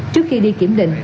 trước khi đi kiểm định